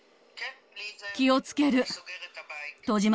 気をつける。